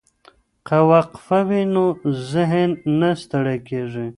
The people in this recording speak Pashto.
که وقفه وي نو ذهن نه ستړی کیږي.